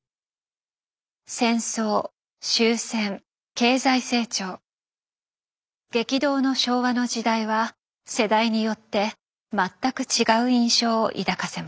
戦争終戦経済成長激動の昭和の時代は世代によって全く違う印象を抱かせます。